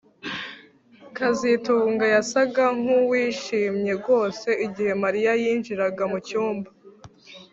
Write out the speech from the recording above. kazitunga yasaga nkuwishimye rwose igihe Mariya yinjiraga mucyumba